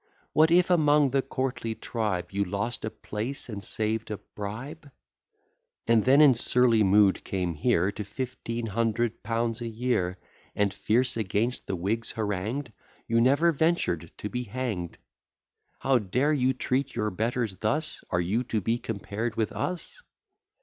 What if, among the courtly tribe, You lost a place and saved a bribe? And then in surly mood came here, To fifteen hundred pounds a year, And fierce against the Whigs harangu'd? You never ventured to be hang'd. How dare you treat your betters thus? Are you to be compared with us?